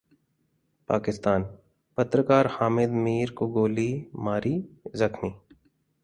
पाकिस्तान: पत्रकार हामिद मीर को गोली मारी, जख्मी